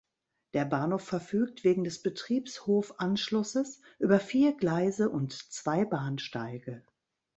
Der Bahnhof verfügt wegen des Betriebshof-Anschlusses über vier Gleise und zwei Bahnsteige.